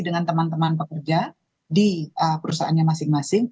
dengan teman teman pekerja di perusahaannya masing masing